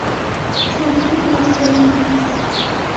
په پسرلي کي ګلان غوړيږي.